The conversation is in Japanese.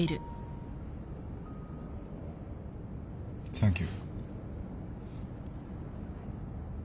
サンキュ。